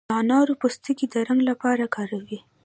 د انارو پوستکي د رنګ لپاره کاروي.